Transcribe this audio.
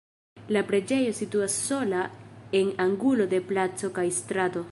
La preĝejo situas sola en angulo de placo kaj strato.